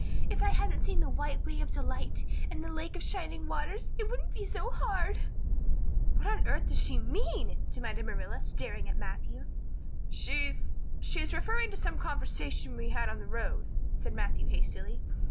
If I hadn't seen the White Way of Delight and the Lake of Shining Waters it wouldn't be so hard." "What on earth does she mean?" demanded Marilla, staring at Matthew. "She she's just referring to some conversation we had on the road," said Matthew hastily.